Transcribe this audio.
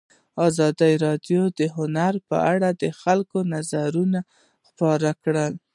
ازادي راډیو د هنر په اړه د خلکو نظرونه خپاره کړي.